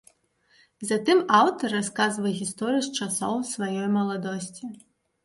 Затым аўтар расказвае гісторыю з часоў сваёй маладосці.